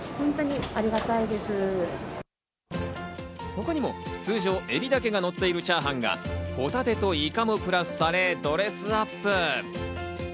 他にも通常エビだけがのっているチャーハンが、ホタテとイカもプラスされ、ドレスアップ。